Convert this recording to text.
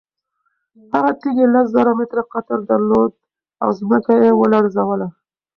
هغې تیږې لس زره متره قطر درلود او ځمکه یې ولړزوله.